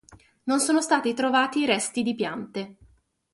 Non sono stati trovati resti di piante.